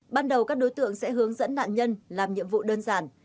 ban đầu các đối tượng sẽ hướng dẫn nạn nhân làm nhiệm vụ đơn giản